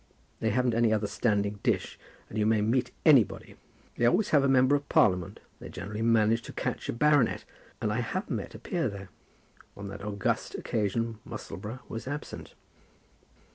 They haven't any other standing dish, and you may meet anybody. They always have a Member of Parliament; they generally manage to catch a Baronet; and I have met a Peer there. On that august occasion Musselboro was absent."